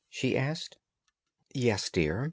she asked. "Yes, dear.